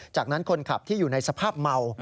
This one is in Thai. จากนั้นคนขับที่อยู่ในสภาพเมา